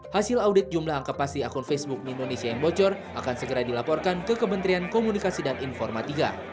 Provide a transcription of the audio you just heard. hasil audit jumlah angka pasti akun facebook di indonesia yang bocor akan segera dilaporkan ke kementerian komunikasi dan informatika